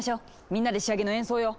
みんなで仕上げの演奏よ！